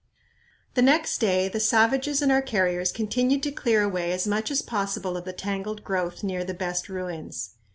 The next day the savages and our carriers continued to clear away as much as possible of the tangled growth near the best ruins.